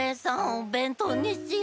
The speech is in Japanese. おべんとうにしよう。